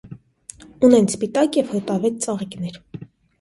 Ունեն սպիտակ և հոտավետ ծաղիկներ։